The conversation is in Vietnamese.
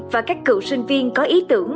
và các cựu sinh viên có ý tưởng